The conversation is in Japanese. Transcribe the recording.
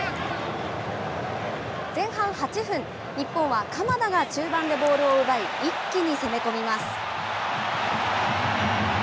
前半８分、日本は鎌田が中盤でボールを奪い、一気に攻め込みます。